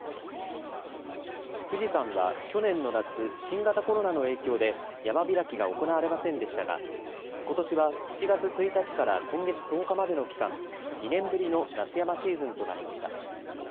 富士山は去年の夏、新型コロナの影響で山開きが行われませんでしたが、ことしは７月１日から今月１０日までの期間、２年ぶりの夏山シーズンとなりました。